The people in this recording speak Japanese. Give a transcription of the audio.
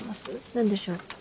何でしょう？